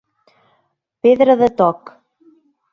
Pedra de toc.